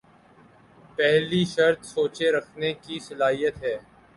پہلی شرط سوچ رکھنے کی صلاحیت ہے۔